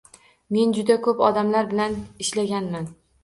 — Men juda koʻp odamlar bilan ishlaganman